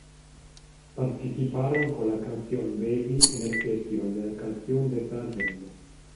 Participaron con la canción Baby en el Festival de la Canción de San Remo.